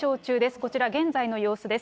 こちら、現在の様子です。